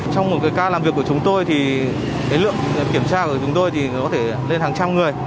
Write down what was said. trong một cái ca làm việc của chúng tôi thì lượng kiểm tra của chúng tôi có thể lên hàng trăm người